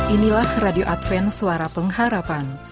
inilah radio advent suara pengharapan